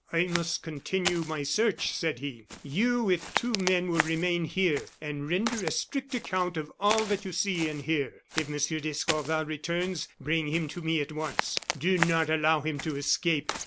"I must continue my search," said he. "You, with two men, will remain here, and render a strict account of all that you see and hear. If Monsieur d'Escorval returns, bring him to me at once; do not allow him to escape.